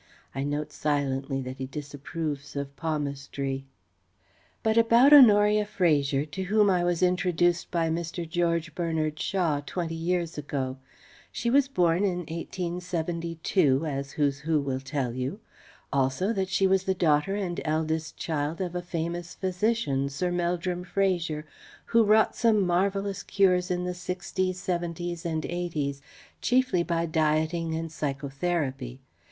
I note silently that he disapproves of palmistry But about Honoria Fraser, to whom I was introduced by Mr. George Bernard Shaw twenty years ago: She was born in 1872, as Who's Who will tell you; also that she was the daughter and eldest child of a famous physician (Sir Meldrum Fraser) who wrought some marvellous cures in the 'sixties, 'seventies and 'eighties, chiefly by dieting and psycho therapy.